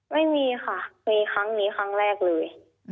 ไม่มีค่ะมีครั้งนี้ครั้งแรกเลย